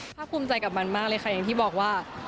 ภาคภูมิใจกับมันมากเลยค่ะอย่างที่บอกว่า